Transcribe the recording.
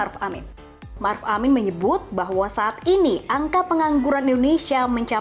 faktanya ini salah